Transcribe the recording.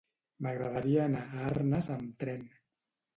M'agradaria anar a Arnes amb tren.